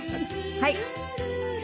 はい。